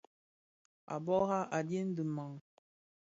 A bùrà, a dyèn dì mang.